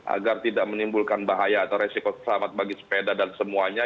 agar tidak menimbulkan bahaya atau resiko selamat bagi sepeda dan semuanya